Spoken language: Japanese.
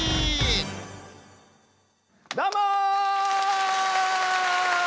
どうも！